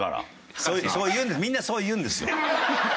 みんなそう言うんですよ。